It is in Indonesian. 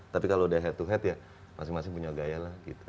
tapi kalau udah head to head ya masing masing punya gaya lah gitu